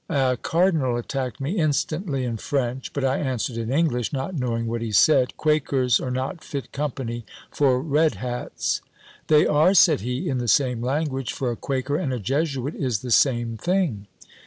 A Cardinal attacked me instantly in French; but I answered in English, not knowing what he said, "Quakers are not fit company for Red hats." "They are," said he, in the same language; "for a Quaker and a Jesuit is the same thing."